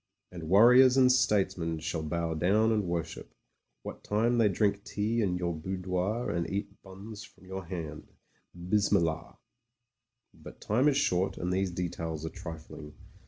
And warriors and statesmen shall bow down and worship, what time they drink tea in your boudoir and eat buns from your hand. Bismillah !" But time is short, and these details are trifling.